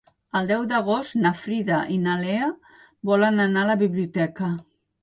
El deu d'agost na Frida i na Lea volen anar a la biblioteca.